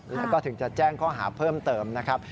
แล้วก็ถึงจะแจ้งข้อหาเพิ่มเติมนะครับ